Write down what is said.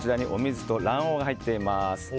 お水と卵黄が入っています。